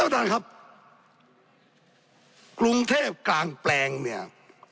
ท่านครับกรุงเทพกลางแปลงเนี่ย